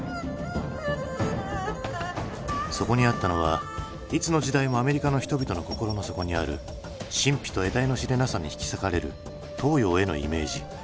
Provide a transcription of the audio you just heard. そこにあったのはいつの時代もアメリカの人々の心の底にある神秘と得体の知れなさに引き裂かれる東洋へのイメージ。